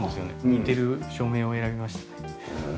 似てる照明を選びましたね。